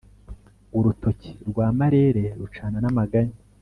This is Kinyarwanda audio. urutoki rwa marere rucana namaganya